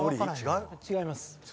違います。